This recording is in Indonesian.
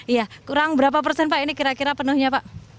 iya kurang berapa persen pak ini kira kira penuhnya pak